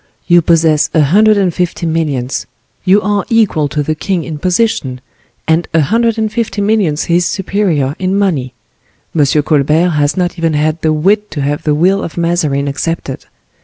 You possess a hundred and fifty millions, you are equal to the king in position, and a hundred and fifty millions his superior in money. M. Colbert has not even had the wit to have the will of Mazarin accepted.